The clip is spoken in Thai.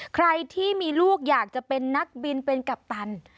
ใครที่มีลูกอยากจะเป็นนักบินเป็นกัปตัน